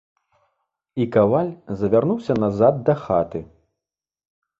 І каваль завярнуўся назад да хаты.